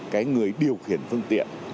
cái người điều khiển phương tiện